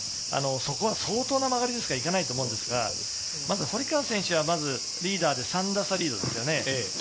相当な曲がりでしか行かないと思うんですが、堀川選手はまず３打差リードですよね。